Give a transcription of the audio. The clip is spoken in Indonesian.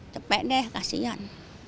cepat deh kasian